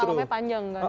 karena malamnya panjang kan